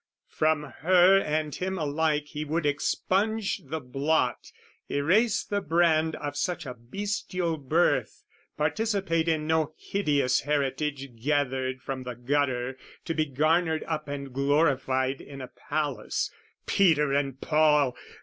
From her And him alike he would expunge the blot, Erase the brand of such a bestial birth, Participate in no hideous heritage Gathered from the gutter to be garnered up And glorified in a palace. Peter and Paul!